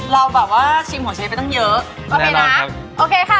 เราบ้านว่าชิมหัวเชฟเขาต้องเยอะ